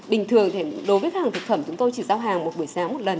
bình thường đối với hàng thực phẩm chúng tôi chỉ giao hàng một buổi sáng một lần